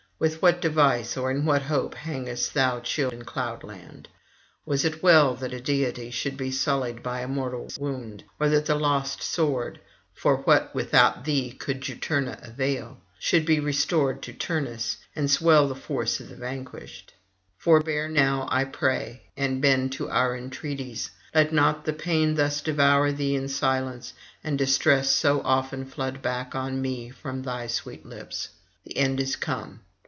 With what device or in what hope hangest thou chill in cloudland? Was it well that a deity should be sullied by a mortal's wound? or that the lost sword for what without thee could Juturna avail? should be restored to Turnus and swell the force of the vanquished? Forbear now, I pray, and bend to our entreaties; let not the pain thus devour thee in silence, and distress so often flood back on me from thy sweet lips. The end is come.